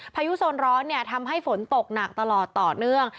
พายุโซนร้อนทำให้ฝนตกหนักตลอดต่อเนื่อง